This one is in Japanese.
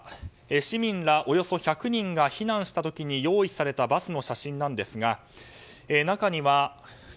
市民らおよそ１００人が避難した時に用意されたバスの写真なんですが中には「Ｚ」